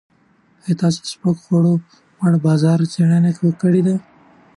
ایا تاسو د سپکو خوړو په اړه د بازار څېړنې کړې دي؟